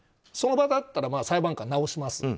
その場だったら裁判官は直します。